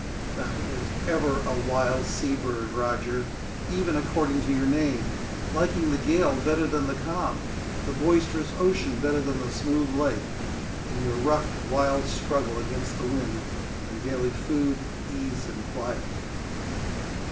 "Thou wert ever a wild sea bird, Roger, even according to your name; liking the gale better than the calm, the boisterous ocean better than the smooth lake, and your rough, wild struggle against the wind, than daily food, ease and quiet."